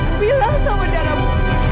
ibu bilang sama darahmu